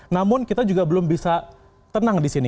namun kita juga belum bisa tenang di sini